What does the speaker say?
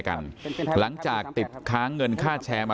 ท่านดูเหตุการณ์ก่อนนะครับ